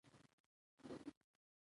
ـ تر موره مېره ،نه ده مهربانه.